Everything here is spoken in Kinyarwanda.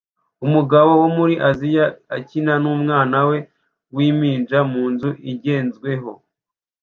Umugabo wo muri Aziya akina numwana we wimpinja munzu igezweho